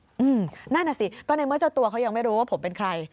นั่นน่ะสิก็ในเมื่อเจ้าตัวเขายังไม่รู้ว่าผมเป็นใคร